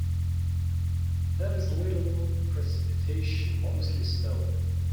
There is little precipitation, mostly snow.